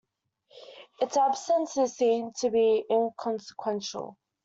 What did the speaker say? Its absence is seen to be inconsequential.